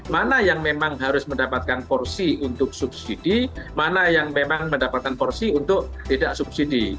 mana yang memang harus mendapatkan porsi untuk subsidi mana yang memang mendapatkan porsi untuk tidak subsidi